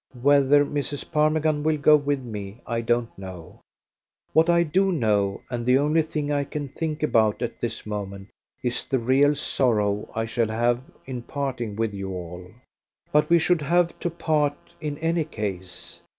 Whether Mrs. Parmigan will go with me I don't know. What I do know, and the only thing I can think about at this moment, is the real sorrow I shall have in parting with you all. But we should have to part in any case.